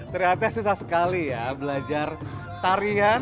ternyata susah sekali ya belajar tarian